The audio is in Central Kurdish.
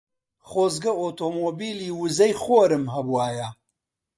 خۆزگە ئۆتۆمۆبیلی وزەی خۆرم هەبوایە.